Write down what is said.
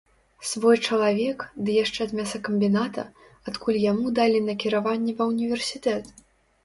Свой чалавек, ды яшчэ з мясакамбіната, адкуль яму далі накіраванне ва ўніверсітэт!